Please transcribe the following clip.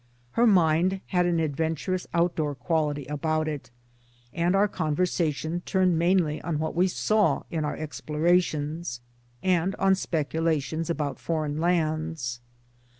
Her mind had an adventurous outdoor quality about it ; and our conversation turned mainly on what we saw on our explorations, and on speculations about foreign lands.